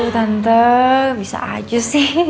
tante bisa aja sih